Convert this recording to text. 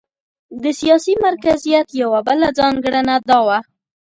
د سیاسي مرکزیت یوه بله ځانګړنه دا وه.